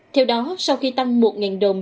theo đó sau khi tăng một đồng